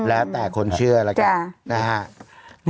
แล้วแต่คนเชื่อแหละค่ะจ้า